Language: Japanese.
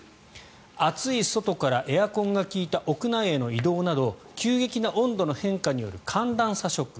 暑い外からエアコンが利いた屋内への移動など急激な温度の変化による寒暖差ショック